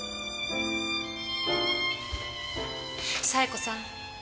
冴子さん。